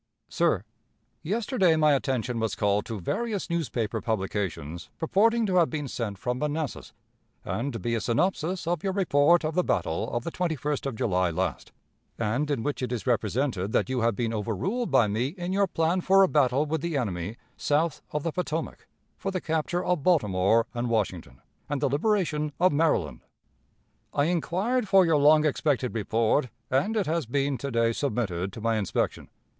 "Sir: Yesterday my attention was called to various newspaper publications purporting to have been sent from Manassas, and to be a synopsis of your report of the battle of the 21st of July last, and in which it is represented that you have been overruled by me in your plan for a battle with the enemy south of the Potomac, for the capture of Baltimore and Washington, and the liberation of Maryland. "I inquired for your long expected report, and it has been to day submitted to my inspection.